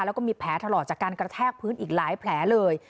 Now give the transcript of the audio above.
แล้วก็มีแผลถลอกจากการกระแทกพื้นอีกหลายแผลเลย